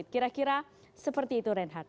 kira kira seperti itu reinhardt